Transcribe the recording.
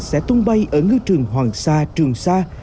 sẽ tung bay ở ngư trường hoàng sa trường sa